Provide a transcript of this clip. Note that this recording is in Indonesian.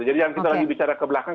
jadi jangan kita lagi bicara ke belakang